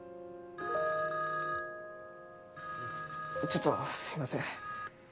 ちょっとすいません。